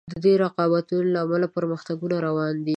د دې رقابتونو له امله پرمختګونه روان وي.